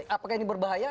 apakah ini berbahaya